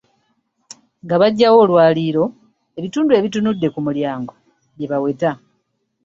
Nga baggyawo olwaliiro ebitundu ebitunudde ku mulyango bye baweta.